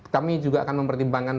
kami juga akan mempertimbangkan